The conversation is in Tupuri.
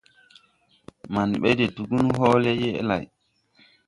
Man ɓɛ de tugun hɔɔlɛ yɛʼ lay.